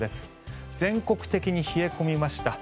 全国的に冷え込みました。